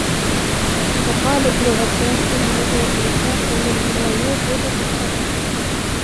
وَقَالَ ابْنُ عَبَّاسٍ هُوَ إنْفَاقُ مَنْ لَا يُوقِنُ بِالْخَلَفِ